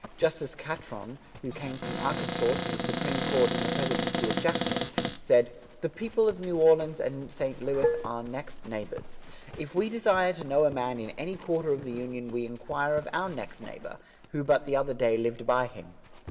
Justice Catron, who came from Arkansas to the Supreme Court in the presidency of Jackson, said: "The people of New Orleans and St. Louis are next neighbors if we desire to know a man in any quarter of the union we inquire of our next neighbor, who but the other day lived by him."